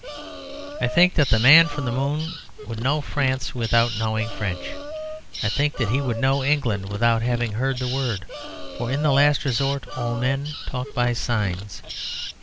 I think that the man from the moon would know France without knowing French; I think that he would know England without having heard the word. For in the last resort all men talk by signs.